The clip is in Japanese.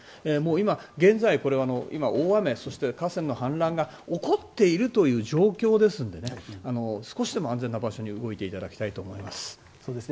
今現在、これは大雨河川の氾濫が起こっているという状況ですので少しでも安全な場所に動いていただきたいと思います。